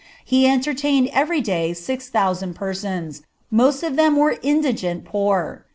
Of entertained every day six thousand persons, most of them were indifiM poor.